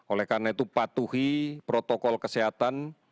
oleh karena itu patuhi protokol kesehatan